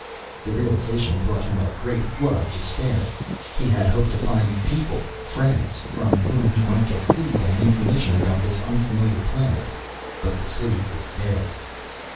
The realization brought him a great flood of despair. He had hoped to find people friends, from whom he might get food, and information about this unfamiliar planet. But the city was dead.